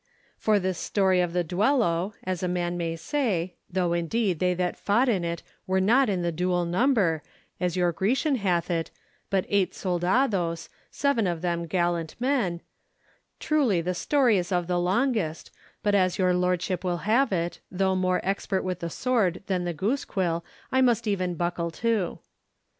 For this story of the duello, as a man may say (though, indeed, they that fought in it were not in the dual number, as your Grecian hath it, but eight soldados—seven of them gallant men), truly the story is of the longest; but as your lordship will have it, though more expert with the sword than the goosequill, I must even buckle to.